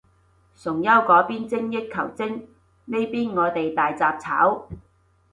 崇優嗰邊精益求精，呢邊我哋大雜炒